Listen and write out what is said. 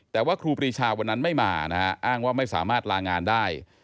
แต่ว่าครูปรีชาวันนั้นไม่มานะฮะอ้างว่าไม่สามารถลางานได้